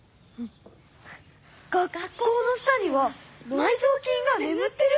学校の下には埋蔵金がねむってる！？